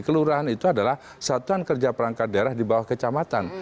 kelurahan itu adalah satuan kerja perangkat daerah di bawah kecamatan